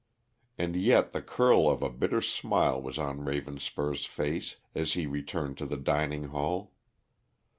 And yet the curl of a bitter smile was on Ravenspur's face as he returned to the dining hall.